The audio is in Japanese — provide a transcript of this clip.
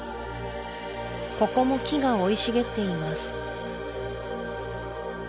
ここも木が生い茂っています